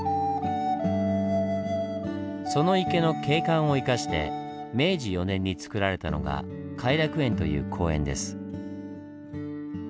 その池の景観を生かして明治４年につくられたのが「偕楽園」という公園です。